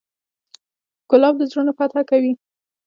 ګلاب د زړونو فتحه کوي.